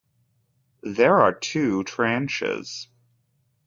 There are two tranches.